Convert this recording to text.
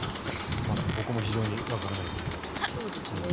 浜田さん、ここも非常にわからない部分ですね。